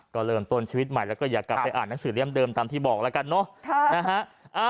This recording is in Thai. ก็เริ่มต้นชีวิตใหม่แล้วก็อยากกลับไปอ่านหนังสือเล่มเดิมตามที่บอกแล้วกันเนอะ